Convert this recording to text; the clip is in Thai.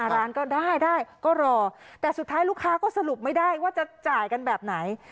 ร้านก็ได้ได้ก็รอแต่สุดท้ายลูกค้าก็สรุปไม่ได้ว่าจะจ่ายกันแบบไหน